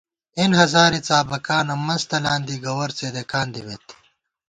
اېن ہزارے څابَکانہ منز تلان دی گوَر څېدېکان دِمېت